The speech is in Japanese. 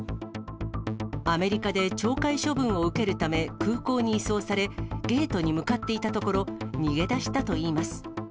アメリカで懲戒処分を受けるため、空港に移送され、ゲートに向かっていたところ、逃げ出したといいます。